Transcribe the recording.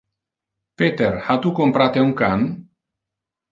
Peter, ha tu comprate un can?